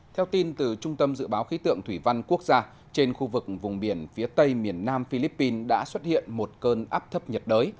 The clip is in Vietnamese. theo tin từ trung tâm dự báo khí tượng thủy văn quốc gia trên khu vực vùng biển phía tây miền nam philippines đã xuất hiện một cơn áp thấp nhiệt đới